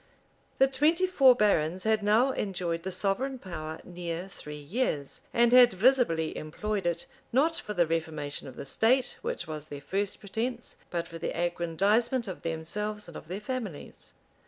The twenty four barons had now enjoyed the sovereign power near three years; and had visibly employed it, not for the reformation of the state, which was their first pretence, but for the aggrandizement of themselves and of their families.